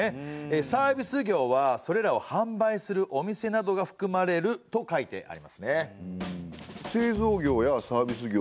サービス業はそれらをはんばいするお店などがふくまれると書いてありますね。